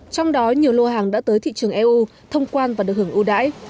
trong đó nhiều lô hàng đã tới thị trường eu thông quan và được hưởng ưu đãi